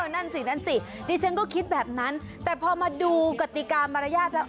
นั่นสินั่นสิดิฉันก็คิดแบบนั้นแต่พอมาดูกติกามารยาทแล้ว